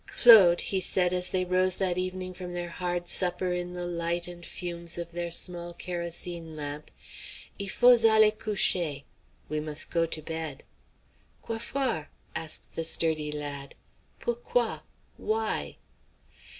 "Claude," he said, as they rose that evening from their hard supper in the light and fumes of their small kerosene lamp, "I' faut z ahler coucher." (We must go to bed.) "Quofoir?" asked the sturdy lad. (Pourquoi? Why?)